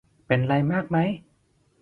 เป็นไรมากไหม